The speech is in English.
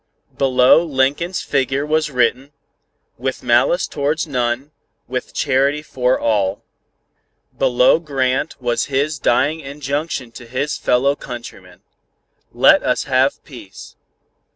Below Lincoln's figure was written: "With malice towards none, with charity for all." Below Grant, was his dying injunction to his fellow countrymen: "Let us have peace."